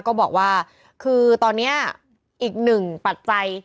ก็บอกว่าคือตอนนี้อีกหนึ่งปัจจัย